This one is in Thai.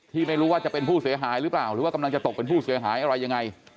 ไม่รู้ว่าจะเป็นผู้เสียหายหรือเปล่าหรือว่ากำลังจะตกเป็นผู้เสียหายอะไรยังไง